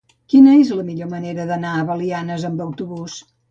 Quina és la millor manera d'anar a Belianes amb autobús?